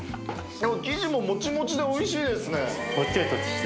生地ももちもちでおいしいですね。